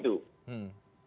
itu makanya memang